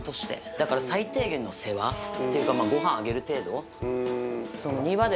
だから最低限の世話というか、ごはんあげる程度。